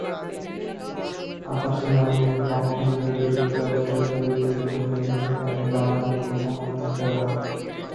আবার সেনাবাহিনীর পক্ষ নিলে যুক্তরাষ্ট্রের বিরুদ্ধে চলে যেতে পারে ব্রাদারহুডের সমর্থকেরাও।